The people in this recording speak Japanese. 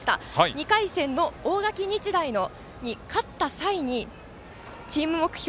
２回戦の大垣日大に勝った際に、チーム目標